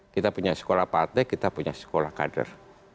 kita punya sekolah partai kita punya sekolah kader